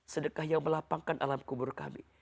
sedekah yang melapangkan alam kubur kami